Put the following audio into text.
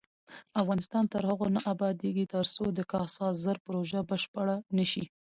افغانستان تر هغو نه ابادیږي، ترڅو د کاسا زر پروژه بشپړه نشي.